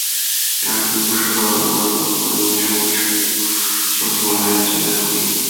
然而并不是所有的污染物都能用微生物的生物修复来简单处理。